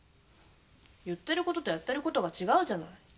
言ってることとやってることが違うじゃない。